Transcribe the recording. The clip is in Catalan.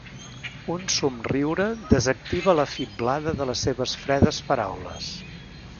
Un somriure desactiva la fiblada de les seves fredes paraules.